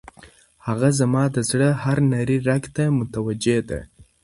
هغه زما د زړه هر نري رګ ته متوجه ده.